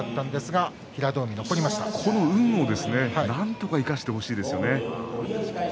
この運も、なんとか生かしてほしいですね。